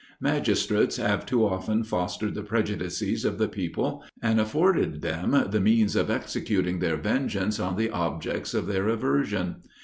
Magistrates have too often fostered the prejudices of the people, and afforded them the means of executing their vengeance on the objects of their aversion.